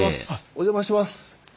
お邪魔します。